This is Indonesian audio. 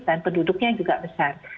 dan penduduknya juga besar